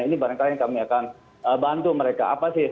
ini paling kali yang kami akan bantu mereka apa sih